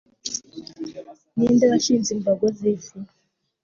ni nde washinze imbago z'isi